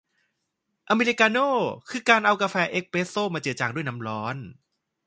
อเมริกาโน่ คือการเอากาแฟเอสเพรสโซ่มาเจือจางด้วยน้ำร้อน